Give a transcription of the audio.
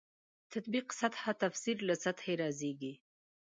تطبیق سطح تفسیر له سطحې رازېږي.